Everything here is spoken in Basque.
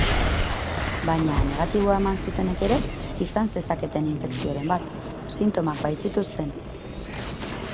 Baina negatiboa eman zutenek ere izan zezaketen infekzioren bat, sintomak baitzituzten.